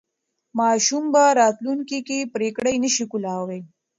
ماشوم په راتلونکي کې پرېکړې نه شي کولای.